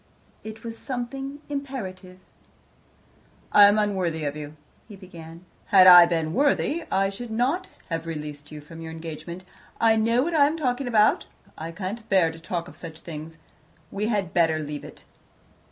It was somehow imperative. "I am unworthy of you," he began. "Had I been worthy, I should not have released you from your engagement. I know what I am talking about. I can't bear to talk of such things. We had better leave it.